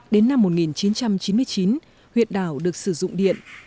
đến năm một nghìn chín trăm chín mươi chín huyện đảo được sử dụng điện